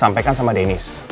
sampaikan sama dennis